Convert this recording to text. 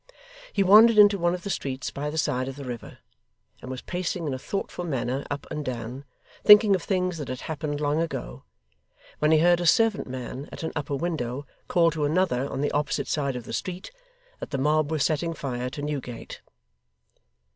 He wandered into one of the streets by the side of the river, and was pacing in a thoughtful manner up and down, thinking of things that had happened long ago, when he heard a servant man at an upper window call to another on the opposite side of the street, that the mob were setting fire to Newgate.